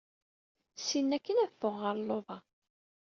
Syin akkin ad fɣeɣ ɣer luḍa.